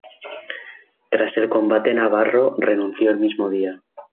Tras el combate Navarro renunció el mismo día.